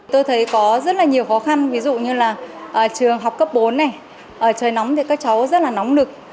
tôi thấy có rất là nhiều khó khăn ví dụ như là trường học cấp bốn này trời nóng thì các cháu rất là nóng lực